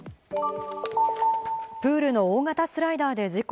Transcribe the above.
プールの大型スライダーで事故。